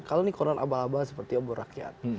kalau ini koran abal abal seperti obor rakyat